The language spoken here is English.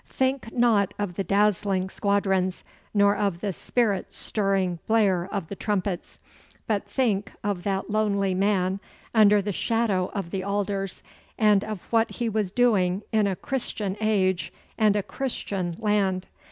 Think not of the dazzling squadrons, nor of the spirit stirring blare of the trumpets, but think of that lonely man under the shadow of the alders, and of what he was doing in a Christian age and a Christian land.